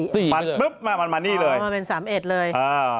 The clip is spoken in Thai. ๔ผันปุ๊ปมันมาในนี่เลยมันเป็น๓เอทเลยอ่า